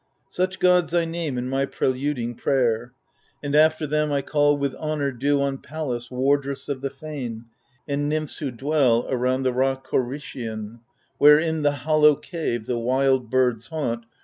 Such gods I name in my preluding prayer, And after them, I call with honour due On Pallas, wardress of the fane, and Nymphs Who dwell around the rock Corycian, Where in the hollow cave, the wild birds* haunt.